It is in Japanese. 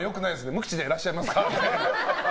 無口でいらっしゃいますか？って。